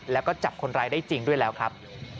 แล้วก็จับคนร้ายได้จริงด้วยแล้วครับ